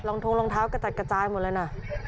ทงรองเท้ากระจัดกระจายหมดเลยนะ